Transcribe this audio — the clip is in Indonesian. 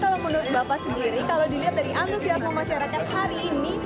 kalau menurut bapak sendiri kalau dilihat dari antusiasme masyarakat hari ini